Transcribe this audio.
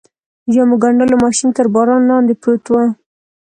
د جامو ګنډلو ماشین تر باران لاندې پروت و.